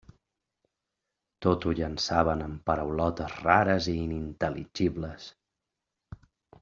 Tot ho llançaven amb paraulotes rares i inintel·ligibles.